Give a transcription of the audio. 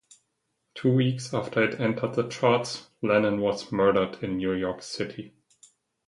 Two weeks after it entered the charts, Lennon was murdered in New York City.